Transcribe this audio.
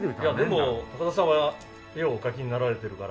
でも高田さんは絵をお描きになられているから。